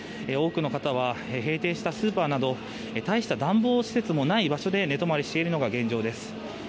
多くの方は閉店したスーパーなど大した暖房施設もない場所で寝泊まりしているのが現状です。